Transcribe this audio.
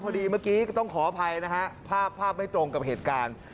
เมื่อกี้ก็ต้องขออภัยนะฮะภาพภาพไม่ตรงกับเหตุการณ์